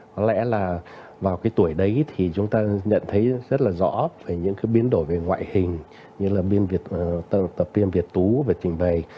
có lẽ là vào cái tuổi đấy thì chúng ta nhận thấy rất là rõ về những cái biến đổi về ngoại hình như là biên việt tập viên việt tú về trình bày